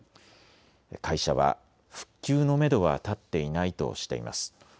会社は復旧のめどは立っていないとしています。